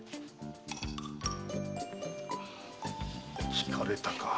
聞かれたかぁ。